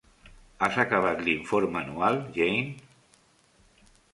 Has acabat l'informe anual, Jane?